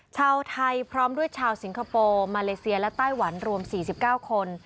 ชาวไทยพร้อมด้วยชาวสิงคโปร์มาเลเซียและไต้หวันรวม๔๙คน